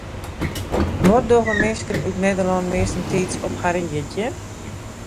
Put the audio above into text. Wat dogge minsken út Nederlân meastentiids op harren jierdei?